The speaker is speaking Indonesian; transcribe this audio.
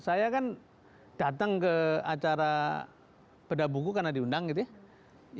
saya kan datang ke acara bedah buku karena diundang gitu ya